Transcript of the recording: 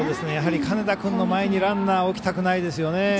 やはり金田君の前にランナー置きたくないですよね。